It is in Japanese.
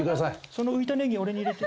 その浮いたネギ俺に入れて。